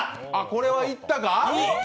これはいったか？